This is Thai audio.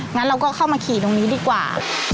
งั้นเราก็เข้ามาขี่ตรงนี้ดีกว่า